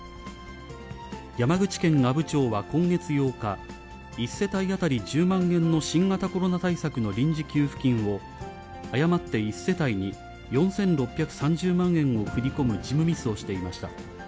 山口県阿武町は今月８日、１世帯当たり１０万円の新型コロナ対策の臨時給付金を、誤って１世帯に４６３０万円を振り込む事務ミスをしていました。